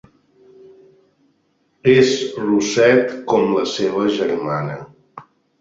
És rosset com la seva germana.